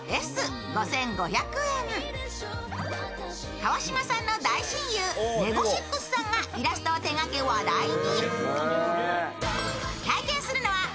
川島さんの大親友ネゴシックスさんがイラストを手がけ、話題に。